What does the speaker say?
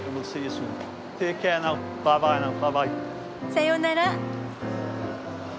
さよなら。